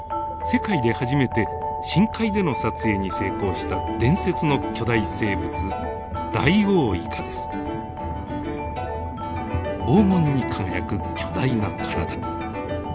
世界で初めて深海での撮影に成功した伝説の巨大生物黄金に輝く巨大な体。